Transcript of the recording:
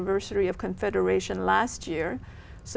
và các thực phẩm